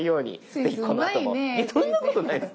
そんなことないです。